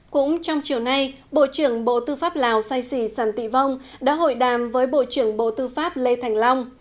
cũng trong chiều nay bộ trưởng bộ tư pháp lào say sỉ sản tị vông đã hội đàm với bộ trưởng bộ tư pháp lê thành long